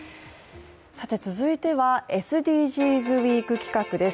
続いてはＳＤＧｓウイーク企画です。